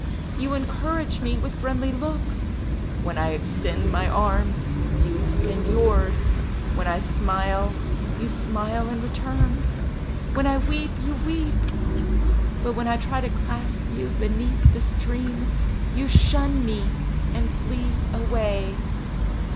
You encourage me with friendly looks. When I extend my arms, you extend yours; when I smile you smile in return; when I weep, you weep; but when I try to clasp you beneath the stream, you shun me and flee away!